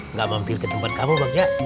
nggak mampir ke tempat kamu bagja